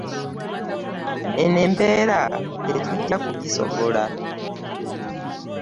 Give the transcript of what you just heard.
Eno embeera tetujja kugisobola.